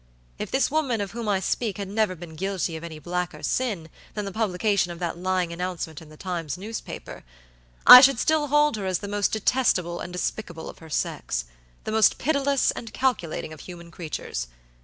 If this woman of whom I speak had never been guilty of any blacker sin than the publication of that lying announcement in the Times newspaper, I should still hold her as the most detestable and despicable of her sexthe most pitiless and calculating of human creatures.